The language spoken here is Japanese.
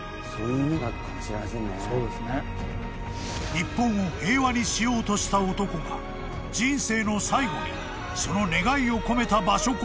［日本を平和にしようとした男が人生の最後にその願いを込めた場所こそ］